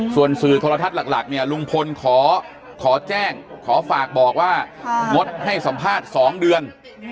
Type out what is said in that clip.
ส่วนสื่อโทรทัศน์หลักเนี่ยลุงพลขอแจ้งขอฝากบอกว่างดให้สัมภาษณ์๒เดือน